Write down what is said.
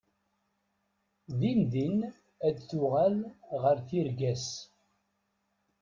Din din ad tuɣal ɣer tirga-s.